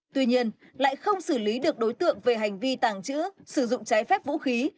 tuy nhiên lại không xử lý được đối tượng về hành vi tàng trữ sử dụng trái phép vũ khí